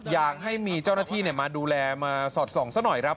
อยากให้มีเจ้าหน้าที่มาดูแลมาสอดส่องซะหน่อยครับ